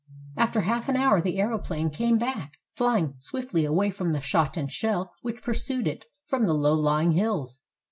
After half an hour the aeroplane came back, flying swiftly away from the shot and shell which pursued it from the low lying hills.